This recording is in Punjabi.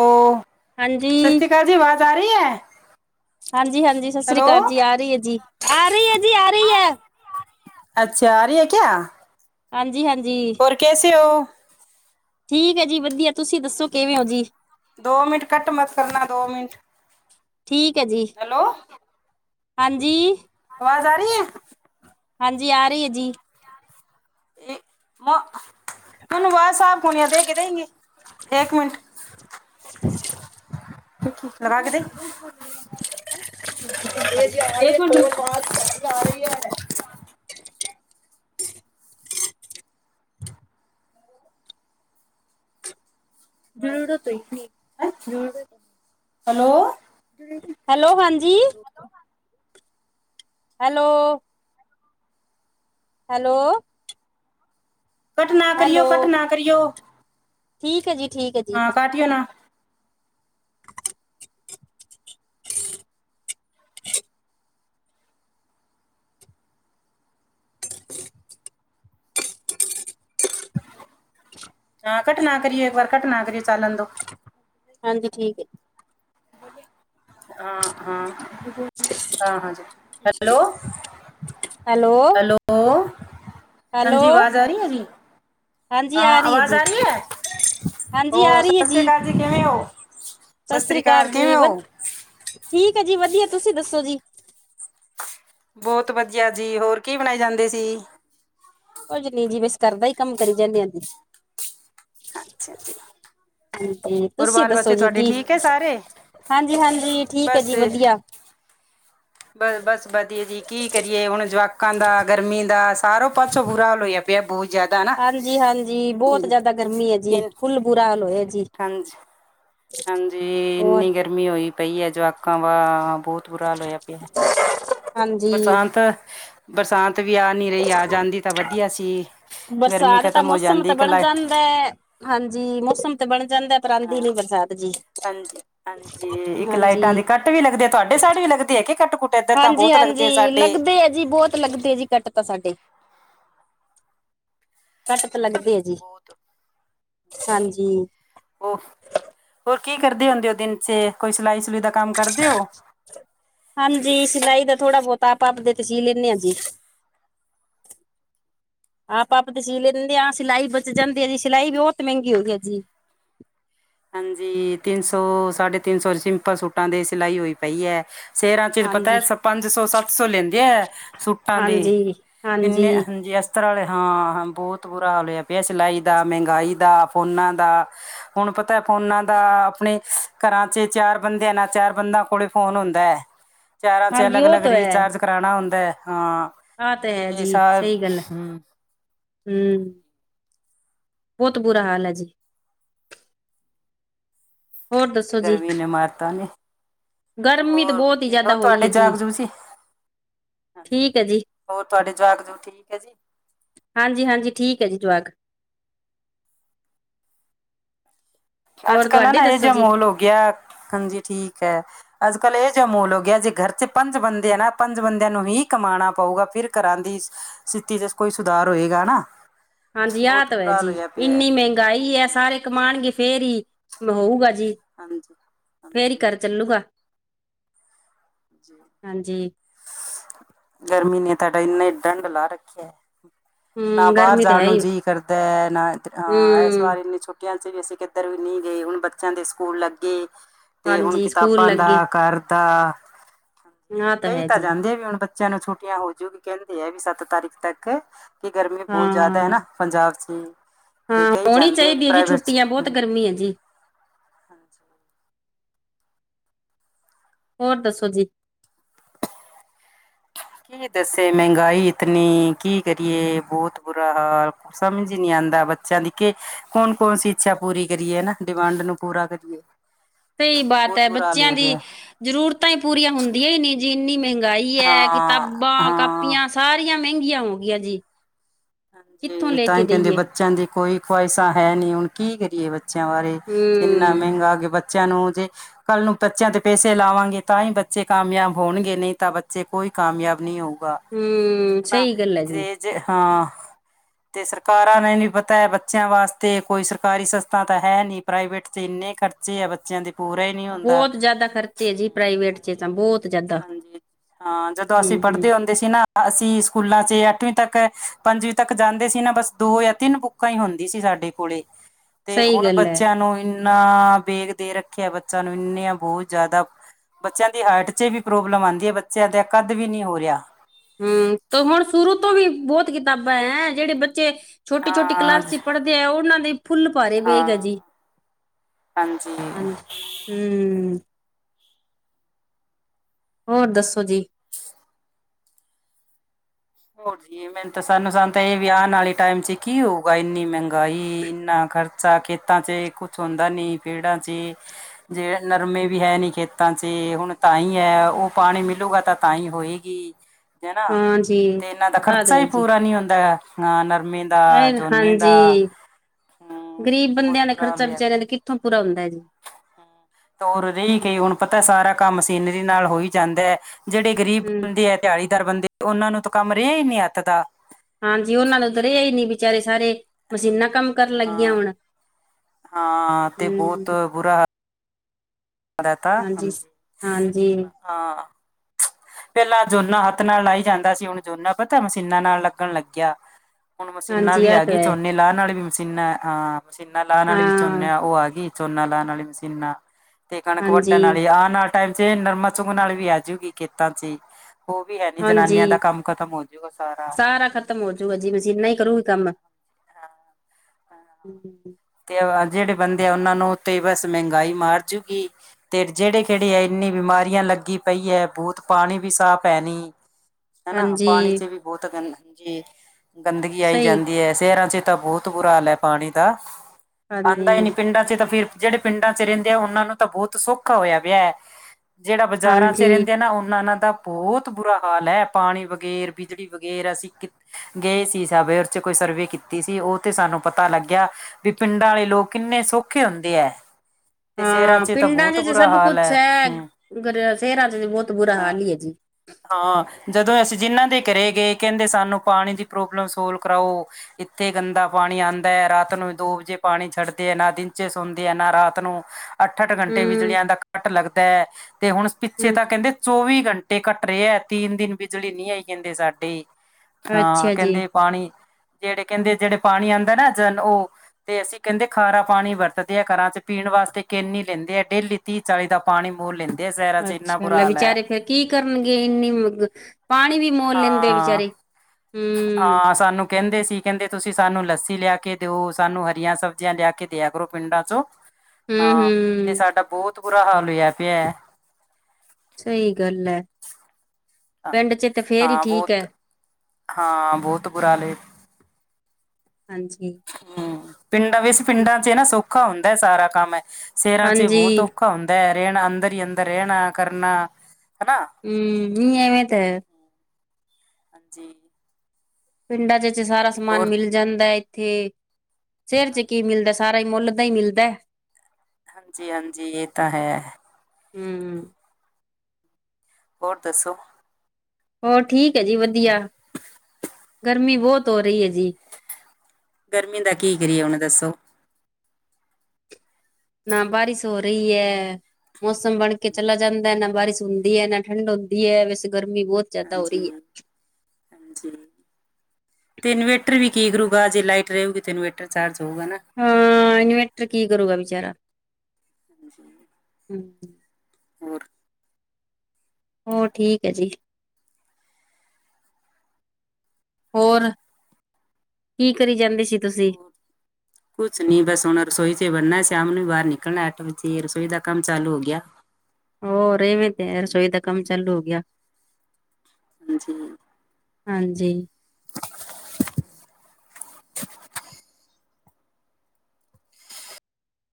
ਉਹ ਸਤਿ ਹਾਂਜੀ, ਸ੍ਰੀ ਅਕਾਲ ਜੀ ਵਾਜ਼ ਆ ਰਹੀ ਅ? ਹਾਂਜੀ -ਹਾਂਜੀ ਸਤਿ ਸ੍ਰੀ ਅਕਾਲ ਜੀ। ਆ ਰਹੀ ਅ ਜੀ, ਆ ਰਹੀ ਅ ਜੀ, ਆ ਰਹੀ ਅ। ਅੱਛਾ ਆ ਰਹੀ ਐ ਕਯਾ? ਹਾਂਜੀ -ਹਾਂਜੀ‌। ਪਰ ਕੈਸੇ ਔ? ਠੀਕ ਹੈ ਜੀ ਵਧੀਆ ਤੁਸੀਂ ਦੱਸੋ ਕਿਵੇਂ ਔ ਜੀ? ਦੋ ਮਿੰਟ ਕੱਟ ਮਤ ਕਰਨਾ ਦੋ ਮਿੰਟ। ਠੀਕ ਐ ਜੀ ਹਾਂਜੀ। ਵਾਜ਼ ਆ ਰਹੀ ਐ? ਹਾਂਜੀ ਆ ਰਹੀ ਹੈ ਜੀ। [unintelligible] ਇੱਕ ਮਿੰਟ। [inaudible] ਕੀਕ ਲਗਾ ਕੇ ਦੇ। ਇਹ ਜੇ ਆ ਰਹੀ ਹੈ ਕੋਲ ਵਾਜ ਸਾਫ ਆ ਰਹੀ ਐ। ਜ਼ਰੂਰਤ ਹੋਈ ਸੀਂ ਹੈ ਜ਼ਰੂਰਤ ਹੈਲੋ! ਹੈਲੋ ਹਾਂਜੀ- ਹੈਲੋ ਹੈਲੋ ਕੱਟ ਨਾ ਹੈਲੋ, ਕਰੀਓ-ਕੱਟ ਨਾ ਕਰੀਓ। ਠੀਕ ਹੈ ਜੀ, ਠੀਕ ਹੈ ਜੀ। ਕਟੀੳ ਨਾ। ਹਾਂ ਕਟ ਨਾ ਕਰੀਏ ਇੱਕ ਵਾਰ ਹਨ ਨਾ ਕਰੀਓ ਚਾਲਣ ਦੋ‌। ਹਾਂਜੀ ਠੀਕ ਏ। ਹਾਂ-ਹਾਂ-ਹਾਂ-ਹਾਂ ਜ ਹੈਲੋ- ਹੈਲੋ ਹੈਲੋ। ਹਾਂਜੀ ਆਵਾਜ਼ ਆ ਰਹੀ ਹੈ ਅਭੀ ਹਾਂਜੀ ਹਾਂ ਹੈ ਆਵਾਜ਼ ਜੀ, ਆ ਰਹੀ ਏ, ਹਾਂਜੀ ਆ ਹੋਰ ਰਹੀ ਹੈ ਸਤਿ ਸ੍ਰੀ ਅਕਾਲ ਜੀ ਕਿਵੇਂ ਹੋ? ਸਤਿ ਸ੍ਰੀ ਅਕਾਲ ਜੀ ਵ, ਠੀਕ ਹੈ ਜੀ ਵਧੀਆ ਤੁਸੀਂ ਦੱਸੋ ਜੀ? ਬਹੁਤ ਵਧੀਆ ਜੀ। ਹੋਰ ਕੀ ਬਣਾਏ ਜਾਂਦੇ ਸੀ। ਕੁਝ ਨੀ ਜੀ ਵਸ ਘਰ ਦਾ ਹੀ ਕੰਮ ਕਰੀ ਜਾਂਦੇ ਆ। ਅੱਛਾ ਜੀ ਹਾਂਜੀ, ਹੋਰ ਤੁਸੀਂ ਬਾਲ ਦੱਸੋ ਬੱਚੇ ਜੀ ਤੁਹਾਡੇ ਕੀ। ਠੀਕ ਹੈ ਸਾਰੇ ਹਾਂਜੀ- ਹਾਂਜੀ, ਠੀਕ ਹੈ ਜੀ ਵਧੀਆ। ਬ ਬਸ ਵਧੀਆ ਜੀ। ਕੀ ਕਰੀਏ ਹੁਣ ਜਵਾਕਾਂ ਦਾ, ਗਰਮੀ ਦਾ ਸਾਰੋਂ ਪਾਸੋਂ ਬੁਰਾ ਹਾਲ ਹੋਇਆ। ਬੇ ਬਹੁਤ ਜ਼ਿਆਦਾ ਨਾ ਹਾਂਜੀ-ਹਾਂਜੀ। ਬਹੁਤ ਜਿਆਦਾ ਗਰਮੀ ਹੈ ਜੀ ਫੁੱਲ ਬੁਰਾ ਹਾਲ ਹੋਇਆ ਜੀ। ਠੰਝ- ਹਾਂਜੀ ਹੋਰ ਇੰਨੀ ਗਰਮੀ ਹੋਈ ਪਈ ਹੈ ਜਵਾਕਾਂ ਵਾ ਬਹੁਤ ਬੁਰਾ ਹਾਲ ਹੋਇਆ ਪਿਆ। ਹਾਂਜੀ ਬਰਸਾਂਤ ਬਰਸਾਤ ਵੀ ਆ ਨਹੀਂ ਰਹੀ ਆ ਜਾਂਦੀ ਤਾਂ ਵਧੀਆ ਸੀ ਗਰਮੀ ਖਤਮ ਹੋ ਜਾਂਦੀ ਇਕਲਾ ਮੈਂ ਹਾਂਜੀ ਮੌਸਮ ਤੇ ਬਣ ਜਾਂਦਾ ਪਰ ਆਂਦੀ ਹਾਂ ਨੀ ਬਰਸਾਤ ਜੀ। ਹਾਂਜੀ -ਹਾਂਜੀ। ਤੇ ਇੱਕ ਹਾਂਜੀ ਲਾਈਟਾਂ ਦੇ ਕੱਟ ਵੀ ਲੱਗਦੇ ਆ ਤੁਹਾਡੇ ਸਾਈਡ ਵੀ ਲੱਗਦੀ ਹੈ ਕਿ ਕੱਟ-ਕੁੱਟ ਇੱਧਰ ਤਾਂ ਹਾਂਜੀ ਬਹੁਤ ਲੱਗਦੇ ਹਾਂਜੀ ਆ ਸਾਡੇ। ਲੱਗਦੇ ਆ ਜੀ ਬਹੁਤ ਲੱਗਦੇ ਜੀ ਕੱਟ ਤਾਂ ਸਾਡੇ। ਕੱਟ ਤਾਂ ਹਾਂਜੀ ਲੱਗਦੇ ਆ ਜੀ, ਬਹੁਤ ਹਾਂਜੀ। ਉਹ ਹੋਰ ਕੀ ਕਰਦੇ ਹੁੰਦੇ ਹੋ ਦਿਨ ਚ ਕੋਈ ਸਿਲਾਈ ਸਲੂਈ ਦਾ ਕੰਮ ਕਰਦੇ ਹੋ? ਹਾਂਜੀ। ਸਿਲਾਈ ਦਾ ਥੋੜ੍ਹਾ ਬਹੁਤਾ ਆਪ ਆਪਦੇ ਤੇ ਸੀ ਲੈਂਦੇ ਹਾਂ ਜੀ। ਆਪ ਆਪ ਤੇ ਸੀ ਲੈ। ਲਿੰਦੇ ਹਾਂ ਸਿਲਾਈ ਬ ਜਾਂਦੇ ਆ ਜੀ ਸਿਲਾਈ ਵੀ ਹਾਂਜੀ ਬਹੁਤ ਮਹਿੰਗੀ ਹੋਈ ਹੈ ਜੀ। ਹਾਂਜੀ। ਤਿੰਨ ਸੌ, ਸਾਢੇ ਤਿੰਨ ਸੌ ਸਿੰਪਲ ਸੂਟਾਂ ਦੇ ਸਿਲਾਈ ਹੋਈ ਪਈ ਹੈ। ਸੇਰਾਂ ਚ ਪਤਾ ਹਾਂਜੀ ਹੈ ਪੰਜ ਸੌ, ਸੱਤ ਸੌ ਲੈਂਦੇ ਹੈ ਸੂਟਾਂ ਦੀ। ਹਾਂਜੀ ਹਾਂਜੀ ਕਿੰਨੇ ਹਾਂਜੀ ਅ। ਤੇ ਹਾਂ ਬਹੁਤ ਬੁਰਾ ਹਾਲਿਆ ਪਿਆ ਸਿਲਾਈ ਦਾ, ਮਹਿੰਗਾਈ ਦਾ, ਫੋਨਾਂ ਦਾ। ਹੁਣ ਪਤਾ। ਪਤਾ ਫੋਨਾਂ ਦਾ ਆਪਣੇ ਘਰਾਂ ਚ ਚਾਰ ਬੰਦਿਆਂ ਨਾਲ ਚਾਰ ਬੰਦਾਂ ਕੋਲ ਫੋਨ ਹੁੰਦਾ ਹੈ। [unintelligible] [unintelligible] ਚਾਰਾਂ ਚ ਅਲੱਗ ਉਹ ਅਲੱਗ ਤਾਂ ਹੈ ਰੀਚਾਰਜ ਕਰਾਉਣਾ ਹੁੰਦਾ ਹੈ ਹਾਂ ਆਹ ਤਾਂ ਹੈ ਤੇ ਸ ਜੀ ਸਹੀ ਗੱਲ ਹੈ ਹਮ ਹਮ। ਬਹੁਤ ਬੁਰਾ ਹਾਲ ਹੈ। ਜੀ। ਹੋਰ ਇੱਕ ਦੱਸੋ ਜੀ ਗਰਮੀ ਨੇ ਮਾਰਤਾ ਉਹਨੇ। ਗਰਮੀ ਤਾਂ ਹੋਰ ਬਹੁਤ ਹੀ ਵਧੀਆ ਜੀ, ਜ਼ਿਆਦਾ ਹੋਰ ਹੋਈ ਤੁਹਾਡੇ ਹੈ ਜੀ ਜਾਗ ਜੂਗ ਸੀ ਹਾਂਜੀ। ਠੀਕ ਹੈ ਜੀ ਹੋਰ ਤੁਹਾਡੇ ਜਾਗ -ਜੂਗ ਠੀਕ ਹੈ ਜੀ। ਹਾਂਜੀ, ਹਾਂਜੀ ਠੀਕ ਹੈ। ਜੀ ਜਵਾਕ। ਹੋਰ ਅੱਜ-ਕਲ ਹੈ ਤੁਹਾਡੇ ਨਾ ਇਹ ਜ ਦੱਸੋ ਜੀ ਮੋਲ ਹੋਗ ਗਿਆ ਹਾਂਜੀ ਠੀਕ ਹੈ। ਅੱਜ ਕੱਲ੍ਹ ਇਹ ਜੋ ਮੂਲ ਹੋ ਗਿਆ ਜੇ ਘਰ ਚ ਪੰਜ ਬੰਦੇ ਆ ਨਾ ਪੰਜ ਬੰਦਿਆਂ ਨੂੰ ਹੀ ਕਮਾਉਣਾ ਪਊਗਾ ਫਿਰ ਘਰਾਂ ਦੀ। ਸਥਿਤੀ ਚ ਕੋਈ ਸੁਧਾਰ ਹੋਏਗਾਾ। ਹਾਂਜੀ। ਆਹ ਤਾਂ ਹੈ ਜੀ ਇੰਨੀ ਹਾਂਜੀ, ਮਹਿੰਗਾਈ ਹੈ ਹਾਂਜੀ, ਸਾਰੇ ਕਮਾਉਣਗੇ ਫੇਰ ਹੀ ਹੋਊਗਾ ਜੀ। ਹਾਂਜੀ, ਫੇਰ ਹੀ ਹਾਂਜੀ ਘਰ ਚੱਲੂਗਾ। ਹਾਂਜੀ ਗਰਮੀ ਨੇ ਤੁਡਾ ਇੰਨੀ ਡੰਢ ਲਾ ਰੱਖਿਆ। ਨਾ ਹਮ ਬਾਹਰ ਗਰਮੀ ਤਾਂ ਜਾਣ ਹੈ ਨੂੰ ਹੀ ਜੀਅ ਕਰਦਾ ਨਾ ਹਾਂ ਇਸ ਹਮ ਵਾਰ ਇਨੀ ਛੁੱ ਛੁੱਟੀਆਂ ਚ ਵੀ ਕਿੱਧਰ ਵੀ ਨਹੀਂ ਗਏ ਹੁਣ ਬੱਚਿਆਂ ਦੇ ਸਕੂਲ ਲੱਗੇ। ਤੇ ਹੁਣ ਹਾਂਜੀ ਸਕੂਲ ਕਿਤਾਬਾਂ ਲੱਗੇ ਦਾ, ਘਰ ਦਾ। ਹਾਂ ਆਹ ਕਈ ਹੈ ਤਾਂ ਜੀ ਜਾਂਦੇ ਆ ਵੀ ਹੁਣ ਬੱਚਿਆਂ ਨੂੰ ਛੁੱਟੀਆਂ ਹੋਜੂਗੀ ਕਹਿੰਦੇ ਆ ਵੀ ਸੱਤ ਤਾਰੀਖ ਤੱਕ। ਕਿ ਗਰਮੀ ਬਹੁਤ ਜ਼ਿਆਦਾ ਹਾਂ ਹੈ ਨਾ ਪੰਜਾਬ ਚ ਹੀ ਤੇ, ਕਈ ਜਾਂਦੇ ਆ ਵੀ ਪ੍ਰਾਈਵੇਟ ਚ ਹ ਮੰਮੀ ਹੈ ਜੀ। ਹਾਂਜੀ। ਹੋਰ ਦੱਸੋ ਜੀ। ਕੀ ਦੱਸੇ ਮਹਿੰਗਾਈ ਇਤਨੀ, ਕੀ ਕਰੀਏ ਬਹੁਤ ਬੁਰਾ ਹਾਲ। ਸਮਝ ਹੀ ਨਹੀਂ ਆਉਂਦਾ ਬੱਚਿਆਂ ਦੀ ਕਿ ਕੌਣ ਕੌਣ ਸੀ ਇੱਛਾ ਪੂਰੀ ਕਰੀਏ ਨਾ ਡਿਮਾਂਡ ਨੂੰ ਪੂਰਾ ਕਰੀਏ ਸਹੀ ਬਾਤ ਬਹੁਤ ਹੈ ਬੁਰਾ ਹਾਲ ਬੱਚਿਆਂ ਹੋਇਆ ਦੀ। ਪਿਆ ਜ਼ਰੂਰਤਾਂ ਹੀ ਪੂਰੀਆਂ ਹੁੰਦੀਆਂ ਹੀ ਨਹੀਂ ਜੀ ਇੰਨੀ ਮਹਿੰਗਾਈ ਹੈ ਹਾਂ ਕਿਤਾਬਾਂ ਕ ਹਾਂ ਪੀਆਂ ਸਾਰੀਆਂ ਮਹਿੰਗੀਆਂ ਹੋ ਗਈਆ ਜੀ। ਕਿੱਥੋਂ ਹਾਂਜੀ ਲੈ ਤਾਂ ਕੇ ਈ ਕਹਿੰਦੇ ਦੇਈਏ ਬੱਚਿਆਂ ਦੀ ਕੋਈ ਖਵਾਹਿਸ਼ਾਂ ਹੈ ਨੀ ਹੁਣ ਕੀ ਕਰੀਏ ਬ ਬੱਚਿਆਂ ਬਾਰੇ ਇੰਨਾ ਹੂੰ ਮਹਿੰਗਾ ਕਿ ਬੱਚਿਆਂ ਨੂੰ ਜੇ ਕੱਲ ਨੂੰ ਬੱਚਿਆਂ ਤੇ ਪੈਸੇ ਲਾਵਾਂਗੇ ਤਾਂ ਹੀ ਬੱਚੇ ਕਾਮਯਾਬ ਹੋਣਗੇ ਨੀ ਤਾਂ ਬੱਚੇ ਕੋਈ ਕਾਮਯਾਬ ਨਹੀਂ ਹੋਊਗਾ ਹੂੰ ਹਨਾ, ਸਹੀ ਗੱਲ ਹੈ ਜੀ ਤੇ ਜੇ ਹਾਂ ਤੇ ਸਰਕਾਰਾਂ ਨੇ ਨੀ ਪਤਾ ਏ ਬੱਚਿਆਂ ਵਾਸਤੇ ਕੋਈ ਸਰਕਾਰੀ ਸੰਸਥਾ ਤਾਂ ਹੈ ਨਈ ਪ੍ਰਾਈਵੇਟ ਤੇ ਇੰਨੇ ਖਰਚ। ਬੱਚੇ ਆ ਬੱਚਿਆਂ ਦੇ ਪੂਰੇ ਹੀ ਨਹੀਂ ਹੁੰਦਾ ਬਹੁਤ ਜਾਦਾ ਖਰਚੇ ਜੀ ਹੂੰ, ਪ੍ਰਾਈਵੇਟ ਚ ਤਾਂ ਹਾਂਜੀ, ਬਹੁਤ ਜਾਦਾ ਹਾਂਜੀ। ਹਾਂ ਜਦੋਂ ਅਸੀਂ ਪੜ੍ਹਦੇ ਹੁੰਦੇ ਸੀ ਨਾ ਅਸੀਂ ਸਕੂਲਾਂ ਚ ਅੱਠਵੀਂ ਤੱਕ ਪੰਜਵੀਂ ਤੱਕ ਜਾਂਦੇ ਸੀ ਨਾ ਬਸ ਦੋ ਜਾਂ ਤਿੰਨ ਬੁੱਕਾਂ ਹੀ ਹੁੰਦੀ ਸੀ ਸਾਡੇ ਕੋਲੇ। ਤੇ ਸਹੀ ਹੁਣ ਗੱਲ ਹੈ ਬੱਚਿਆਂ ਨੂੰ ਇੰਨਾ ਬੇਗ ਦੇ ਰੱਖਿਆ ਬੱਚਿਆਂ ਨੂੰ ਇੰਨੀਆਂ ਬਹੁਤ ਜ਼ਿਆਦਾ ਬੱਚਿਆਂ ਦੀ ਵਿੱਚ ਹਾਈਟ ਚ ਵੀ ਪ੍ਰੋਬਲਮ ਆਂਦੀ ਹੈ ਬੱਚਿਆਂ ਦਾ ਕਦ ਵੀ ਨੀ ਹੋ ਰਿਹਾ ਹੂੰ ਤੇ ਹੁਣ ਸ਼ੁਰੂ ਤੋਂ ਵੀ ਹਾਂਜੀ ਬਹੁਤ ਕਿਤਾਬਾਂ ਹੈ ਜਿਹੜੇ ਬੱਚੇ ਛੋਟੀ ਛੋਟੀ ਹਾਂ, ਕਲਾਸ ਚ ਪੜ੍ਹ ਉਹਨਾਂ ਦੇ ਫੁੱਲ ਕਰ ਭਾਰੇ ਬੇਗ ਏ ਹਾਂ, ਜੀ ਹਾਂਜੀ ਹੂੰ ਹੋਰ ਦੱਸੋ ਜੀ ਹੋਰ ਜੀ ਮੈਨੂੰ ਤਾਂ ਸਾਨੂੰ ਇਹ ਵੀ ਆਉਣ ਵਾਲੇ ਟਾਈਮ ਚ ਕੀ ਹੋਊਗਾ ਇੰਨੀ ਮਹਿੰਗਾਈ ਇੰਨਾ ਖਰਚ ਖੇਤਾਂ ਚ ਕੁੱਛ ਹੁੰਦਾ ਨੀ ਪੇੜਾਂ ਚ ਜੇ ਨਰਮੇ ਵੀ ਹੈ ਨੀ ਖੇਤਾਂ ਚ ਹੁਣ ਤਾਂ ਹੀ ਹਏ ਉਹ ਪਾਣੀ ਮਿਲਲੇਗਾ ਤਾਂ ਤਾਂ ਹੀ ਹੋਏਗੀ [inaudible] ਹਾਂ ਜੀ ਤੇ ਇਹਨਾਂ ਦਾ ਆ ਖ਼ਰਚਾ ਈ ਹੈ ਜੀ ਪੂਰਾ ਨੀ ਹੁੰਦਾ ਹਾਂ ਨਰਮੇ ਦਾ ਝੋਨੇ ਦਾ ਹਾਂਜੀ ਹਮ ਗ਼ਰੀਬ ਬਹੁਤ ਬੰਦਿਆਂ ਦਾ ਬੁਰਾ ਹਾਲ ਖ਼ਰਚਾ ਹੋਇਆ ਪਿਆ ਵਿਚਾਰਿਆਂ ਦਾ ਕਿੱਥੋਂ ਪੂਰਾ ਹੁੰਦਾ ਜੀ ਤੋਰ ਰਈ ਗਈ ਹੁਣ ਪਤਾ ਸਾਰਾ ਕੰਮ ਮਸ਼ੀਨਰੀ ਨਾਲ ਹੋ ਹੀ ਜਾਂਦਾ ਹੈ ਜਿਹੜੇ ਗਰੀਬ ਹੂੰ ਬੰਦੇ ਹੈ ਦਿਹਾੜੀ ਦਰ ਬੰਦੇ ਉਹਨਾਂ ਨੂੰ ਤਾਂ ਕੰਮ ਰਿਆ ਈ ਨੀ ਹੱਤ ਦਾ ਹਾਂਜੀ ਉਹਨਾਂ ਨੂੰ ਤਾਂ ਰਿਆ ਈ ਨੀ ਵਿਚਾਰੇ ਹਾਂਜੀ, ਸਾਰੇ ਮਸ਼ੀਨਾਂ ਹਾਂਜੀ, ਕੰਮ ਕਰਨ ਲੱਗੀਆਂ ਹਾਂ। ਹੁਣ ਹਾਂ ਤੇ ਬਹੁਤ ਹੂੰ ਬੁਰਾ [inaudible] ਹਾਂਜੀ ਹਾਂਜੀ ਪਹਿਲਾਂ ਝੋਨਾ ਹੱਥ ਨਾਲ ਲਾਈ ਜਾਂਦਾ ਸੀ ਹੁਣ ਝੋਨਾ ਪਤਾ ਮਸ਼ੀਨਾਂ ਨਾਲ ਲੱਗਣ ਲੱਗਿਆ ਹੁਣ ਮਸ਼ੀਨਾਂ ਹਾਂਜੀ ਵੀ ਆ ਤਾਂ ਗਈ ਹੈ ਝੋਨੇ ਲਾਨ ਨਾਲੇ ਵੀ ਮਸ਼ੀਨਾਂ ਹਾਂ ਮਸ਼ੀਨਾ ਲਾਹ ਵਾਂਲੇ ਵੀ ਹਾਂ ਝੋਨੇ ਉਹ ਆ ਗਈ ਚੋਨ ਲਾਨ ਵਾਂਲੀ ਮਸ਼ੀਨਾ ਤੇ ਕਣਕ ਹਾਂਜੀ ਵੱਢਣ ਵਾਲੀ ਆਣ ਵਾਲੇ ਟਾਈਮ ਚ ਨਰਮਾ ਚੂਗ ਵਾਲੀ ਵੀ ਆਜੂਗੀ ਖੇਤਾਂ ਚ ਹੀ ਉਹ ਵੀ ਹੈ ਨੀ ਹਾਂਜੀ ਜਨਾਨੀਆਂ ਦਾ ਕੰਮ ਖਤਮ ਹੋਜੂਗਾ ਸਾਰਾ ਖਤਮ ਹੋਜੂਗਾ ਜੀ ਮਸ਼ੀਨਾ ਹੀ ਕਰੂਗੀ ਕੰਮ ਹਾਂ, ਹਾਂ। ਤੇ ਜਿਹੜੇ ਬੰਦੇ ਆ ਉਹਨਾਂ ਨੂੰ ਉੱਤੇ ਬਸ ਮਹਿੰਗਾਈ ਮਾਰਜੂਗੀ ਤੇ ਜਿਹੜੇ ਕਿਹੜੇ ਹੈ ਇੰਨੀ ਬਿਮਾਰੀਆਂ ਲੱਗੀ ਪਈ ਹੈ ਬਹੁਤ ਪਾਣੀ ਵੀ ਸਾਫ਼ ਐਨੀ ਹਨਾ ਹਾਂਜੀ ਪਾਣੀ ਚ ਵੀ ਬਹੁਤ ਗੰਦਗੀ ਆਈ ਸਹੀ ਜਾਂਦੀ ਹੈ ਸ਼ਹਿਰਾਂ ਚ ਤਾਂ ਬਹੁਤ ਤੋ ਬੁਰਾ ਹਾਲ ਏ ਪਾਣੀ ਦਾ ਹਾਂਜੀ ਆਉਂਦਾ ਹੀ ਨਈ ਪਿੰਡਾਂ ਚ ਤਾਂ ਫਿਰ ਜਿਹੜੇ ਪਿੰਡਾਂ ਚ ਰਹਿੰਦੇ ਆ ਉਹਨਾਂ ਨੂੰ ਤਾਂ ਬਹੁਤ ਸੌਖਾ ਹੋਇਆ ਵਿਆਹ ਏ ਜਿਹੜਾ ਬਾਜ਼ਾਰਾਂ ਚ ਹਾਂਜੀ ਰਹਿੰਦੇ ਆ ਨਾ ਉਹਨਾਂ ਦਾ ਬਹੁਤ ਬੁਰਾ ਹਾਲ ਹੈ ਪਾਣੀ ਵਗੈਰ ਬਿਜਲੀ ਵਗੈਰ ਅਸੀਂ ਗਏ ਸੀ ਸਭ ਕੋਈ ਸਰਵੇ ਕੀਤੀ ਸੀ ਉਹ ਤੇ ਸਾਨੂੰ ਪਤਾ ਲੱਗਿਆ ਵੀ ਪਿੰਡਾਂ ਵਾਲੇ ਲੋਕ ਕਿੰਨੇ ਸੌਖੇ ਹੁੰਦੇ ਏ ਤੇ ਸ਼ਹਿਰ ਆ ਹਾਂ ਤਾਂ ਪਿੰਡਾਂ ਬਹੁਤ ਚ ਬੁਰਾ ਸਭ ਹਾਲ ਕੁਛ ਹੈ ਹੂੰ ਸ਼ਹਿਰਾਂ ਚ ਬਹੁਤ ਬੁਰਾ ਹਾਂ ਹਾਲ ਹੀ ਹੈ ਜੀ ਹਾਂ ਜਦੋਂ ਅਸੀਂ ਜਿੰਹਨਾਂ ਦੇ ਘਰੇ ਗਏ ਕਹਿੰਦੇ ਸਾਨੂੰ ਪਾਣੀ ਦੀ ਪ੍ਰੋਬਲਮ ਸੋਲਵ ਕਰਾਓ ਇੱਥੇ ਗੰਦਾ ਪਾਣੀ ਆਉਂਦਾ ਹੈ ਰਾਤ ਨੂੰ ਦੋ ਵਜੇ ਪਾਣੀ ਛੱਡਦੇ ਹੈ ਨਾ ਦਿਨ ਚ ਸੌਦੇ ਹੈ ਨਾ ਰਾਤ ਨੂੰ ਅੱਠ ਅੱਠ ਘੰਟੇ ਬਿਜਲੀਆਂ ਹੂੰ ਦਾ ਕੱਟ ਲੱਗਦਾ ਹੈ ਤੇ ਹੁਣ ਪਿੱਛੇ ਤਾਂ ਕਹਿੰਦੇ ਚੌਵੀ ਘੰਟੇ ਟੇ ਕੱਟ ਰੇ ਐ ਤਿੰਨ ਦਿਨ ਬਿਜਲੀ ਨਹੀਂ ਆਈ ਕਹਿੰਦੇ ਸਾਡੇ ਹਾਂ ਅੱਛਾ ਜੀ ਕਹਿੰਦੇ ਪਾਣੀ ਜਿਹੜੇ ਕਹਿੰਦੇ ਜਿਹੜੇ ਪਾਣੀ ਆਉਂਦਾ ਨਾ ਜ ਉਹ ਤੇ ਅਸੀਂ ਕਹਿੰਦੇ ਖਾਰਾ ਪਾਣੀ ਵਰਤਦੇ ਆ, ਘਰਾਂ ਚ ਪੀਣ ਵਾਸਤੇ ਕਿੰਨੀ ਲੈਂਦੇ ਆ ਡੇਲੀ। ਤੀਹ ਚਾਲੀ ਦਾ ਪਾਣੀ ਮੂਲ ਲੈਂਦੇ ਆ, ਸ਼ਹਿਰਾਂ ਚ ਇੰਨਾ ਅੱਛਾ ਬੁਰਾ ਲੈ ਹਾਲ ਐ। ਵਿਚਾਰੇ ਫੇਰ ਕੀ ਕਰਨਗੇ ਇੰਨੀ, ਪਾਣੀ ਵੀ ਮੁਲ ਲੈਂਦੇ ਹਾਂ ਬਿਚਰੇ ਹੂੰ। ਹਾਂ ਸਾਨੂੰ ਕਹਿੰਦੇ ਸੀ, ਕਹਿੰਦੇ ਤੁਸੀਂ ਸਾਨੂੰ ਲੱਸੀ ਲਿਆ ਕੇ ਦਿਓ, ਸਾਨੂੰ ਹਰੀਆਂ ਸਬਜ਼ੀਆਂ ਲਿਆ ਕੇ ਦਿਆ ਕਰੋ ਪਿੰਡਾਂ ਚੋਂ ਹੂੰ ਹਾਂ ਤੇ ਹੂੰ ਸਾਡਾ ਬਹੁਤ ਬੁਰਾ ਹਾਲ ਹੋਇਆ ਪਿਆ। ਸਹੀ ਗੱਲ ਐ, ਪਿੰਡ 'ਚ ਤੇ ਫੇਰ ਹੀ ਹਾਂ ਠੀਕ ਐ। ਬਹੁਤ ਹਾਂ, ਬਹੁਤ ਬੁਰਾ ਐ। ਹਾਂਜੀ ਹੂੰ, ਪਿੰਡਾਂ ਵਿਚ ਪਿੰਡਾਂ ਚ ਨਾ ਸੌਖਾ ਹੁੰਦਾ ਐ, ਸਾਰਾ ਕੰਮ ਹੈ ਸ਼ੇਰਾਂ 'ਚ ਹਾਂਜੀ ਬਹੁਤ ਔਖਾ ਭਾ ਹੁੰਦਾ ਰਹਿਣਾ ਅੰਦਰ ਹੀ ਅੰਦਰ ਰਹਿਣਾ ਕਰਨਾ ਹਨਾ। ਹੂ ਤਾਂ ਹੈ ਹਾਂਜੀ ਪਿੰਡਾਂ ਚ ਸਾਰਾ ਸਮਾਨ ਹੋਰ ਮਿਲ ਜਾਂਦਾ ਇੱਥੇ ਸ਼ਹਿਰ ਚ ਕੀ ਹਾਂਜੀ ਮਿਲਦਾ ਸਾਰਾ ਹੀ ਮੁੱਲ ਦਾ ਹੀ ਮਿਲਦਾ। ਹਾਂਜੀ ਹਾਂਜੀ ਇਹ ਤਾਂ ਹੈ। ਹੂ। ਹੋਰ ਦੱਸੋਂ? ਹੋਰ ਠੀਕ ਐ ਜੀ ਵਧੀਆ, ਗਰਮੀ ਬਹੁਤ ਹੋ ਰਹੀ ਐ ਜੀ। ਗਰਮੀ ਦਾ ਕੀ ਕਰੀਏ ਹੁਣ ਦੱਸੋਂ? ਨਾ ਬਾਰਿਸ਼ ਹੋ ਰਹੀ ਐ। ਮੌਸਮ ਬਣ ਕੇ ਚਲਾ ਜਾਂਦਾ ਐ, ਨਾ ਬਾਰਿਸ਼ ਹੁੰਦੀ ਐ ਨਾ ਠੰਡ ਹੁੰਦੀ ਐ, ਵੈਸੇ ਗਰਮੀ ਬਹੁਤ ਜ਼ਿਆਦਾ ਹੋ ਹਾਂਜੀ ਰਹੀ ਹੈ ਹਾਂਜੀ। ਤੇ ਇਨਵੇਟਰ ਵੀ ਕੀ ਕਰੂਗਾ, ਜੇ ਲਾਈਟ ਰਹੇਗੀ ਤੇ ਇਨਵੇਟਰ ਚਾਰਜ ਹੋਊਗਾ ਨਾ। ਹਾਂ ਆ, ਇਨਵੇਟਰ ਕੀ ਕਰੂਗਾ ਵਿਚਾਰਾਂ। ਹਾਂਜੀ ਹੂੰ ਹੋਰ? ਹੋ ਠੀਕ ਹੈ ਜੀ। ਹੋਰ ਕੀ ਕਰੀ ਜਾਂਦੇ ਸੀ ਤੁਸੀਂ? ਹੋਰ ਕੁਛ ਨੀ ਬਸ ਹੁਣ ਰਸੋਈ 'ਚ ਬਣਨਾਂ ਸ਼ਾਮ ਨੂੰ ਹੀ ਬਾਹਰ ਨਿਕਲਣਾ, ਅੱਠ ਵਜੇ ਰਸੋਈ ਦਾ ਕੰਮ ਚਾਲੂ ਹੋ ਗਿਆ। ਹੋ ਇਹ ਵੀ ਤੇ ਹੈ, ਰਸੋਈ ਦਾ ਕੰਮ ਚਾਲੂ ਹੋ ਗਿਆ। ਹਾਂਜੀ। ਹਾਂਜੀ।